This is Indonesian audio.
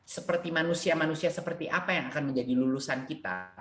seperti manusia manusia seperti apa yang akan menjadi lulusan kita